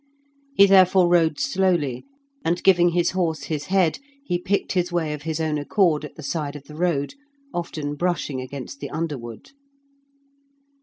He therefore rode slowly, and giving his horse his head, he picked his way of his own accord at the side of the road, often brushing against the underwood.